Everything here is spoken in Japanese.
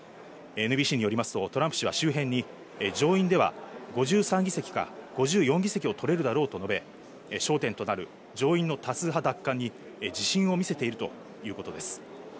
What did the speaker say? ＮＢＣによりますとトランプ氏は周辺に上院では５３議席か５４議席を取れるだろうと述べ、焦点となる上院の多数派奪還に自信を見せているということです。